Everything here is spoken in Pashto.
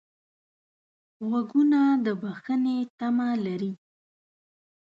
غوږونه د بښنې تمه لري